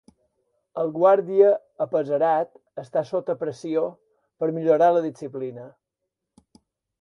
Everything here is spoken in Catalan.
El guàrdia apesarat està sota pressió per millorar la disciplina.